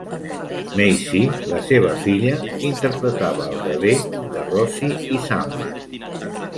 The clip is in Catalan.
Maisy, la seva filla, interpretava el bebè de Rosie i Sam.